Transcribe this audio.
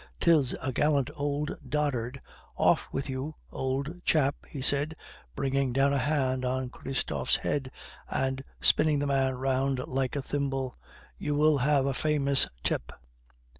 'tis a gallant old dotard. Off with you, old chap," he said, bringing down a hand on Christophe's head, and spinning the man round like a thimble; "you will have a famous tip."